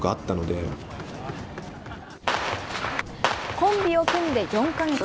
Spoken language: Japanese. コンビを組んで４か月。